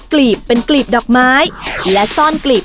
พี่ดาขายดอกบัวมาตั้งแต่อายุ๑๐กว่าขวบ